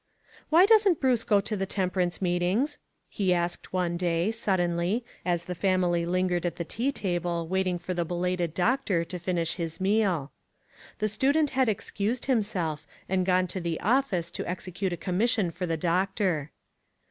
" Why doesn't Bruce go to the temper ance meetings?" he asked, one day, sud denly, as the family lingered at the tea table, waiting for the belated doctor, to finish his meal. The student had excused himself, and gone to the office to execute a commission for the doctor.